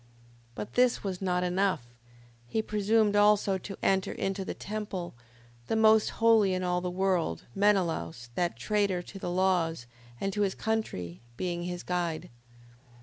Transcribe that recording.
5:15. But this was not enough, he presumed also to enter into the temple, the most holy in all the world Menelaus, that traitor to the laws, and to his country, being his guide.